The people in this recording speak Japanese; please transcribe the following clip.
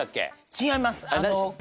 違います。